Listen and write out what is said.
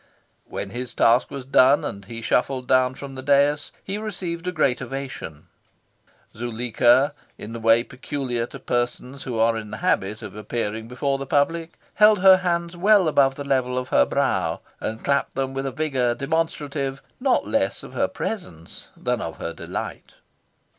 When his task was done and he shuffled down from the dais, he received a great ovation. Zuleika, in the way peculiar to persons who are in the habit of appearing before the public, held her hands well above the level of her brow, and clapped them with a vigour demonstrative not less of her presence than of her delight.